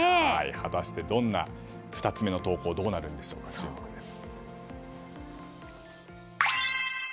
果たして２つ目の投稿はどうなるんでしょうか、注目です。